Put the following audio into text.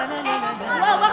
satu dua tiga